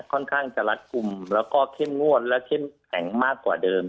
ค่อนข้างจะรัดกลุ่มแล้วก็เข้มงวดและเข้มแข็งมากกว่าเดิม